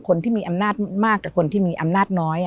คนที่มีอำนาจมากกับคนที่มีอำนาจน้อย